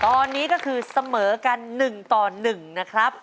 ตอนนี้ก็คือเสมอกันหนึ่งต่อหนึ่งนะครับ